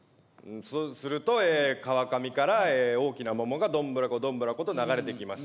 すると川上から大きな桃がどんぶらこどんぶらこと流れてきました。